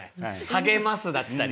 励ますだったりとか。